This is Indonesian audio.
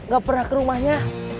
gak pernah ke rumahnya